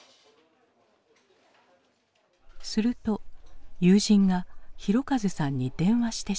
すると友人が広和さんに電話してしまった。